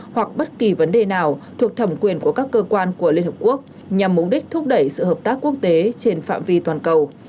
hoặc bất kỳ vấn đề nào thuộc thẩm quyền của các cơ quan của liên hợp quốc nhằm mục đích thúc đẩy sự hợp tác quốc tế trên phạm vi toàn cầu